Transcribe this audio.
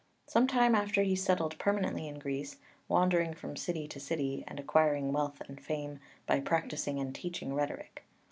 Some time after he settled permanently in Greece, wandering from city to city, and acquiring wealth and fame by practising and teaching rhetoric.